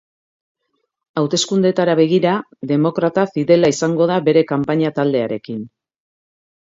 Hauteskundeetara begira, demokrata, fidela izango da bere kanpaina taldearekin.